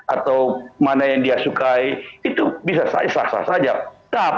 atau mana yang dia sukai itu bisa saja